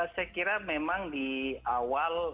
saya kira memang di awal